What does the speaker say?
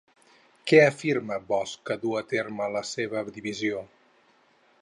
Què afirma Bosch que duu a terme la seva divisió?